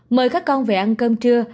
mời các con về ăn cơm trưa